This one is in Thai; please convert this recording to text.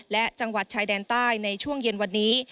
และจังหวัดชายแดนใต้ในช่วงเย็นวันนี้